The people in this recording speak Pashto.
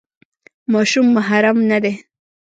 ماشوم محرم نه دی.